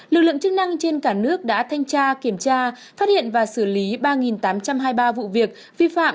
lực lượng chức năng trên cả nước đã thanh tra kiểm tra phát hiện và xử lý ba tám trăm hai mươi ba vụ việc vi phạm